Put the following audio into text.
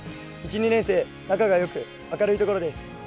２年生仲がよく明るいところです。